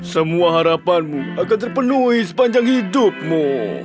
semua harapanmu akan terpenuhi sepanjang hidupmu